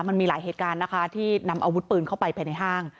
มันมีหลายเหตุการณ์นะคะที่นำอาวุธปืนเข้าไปภายในห้าง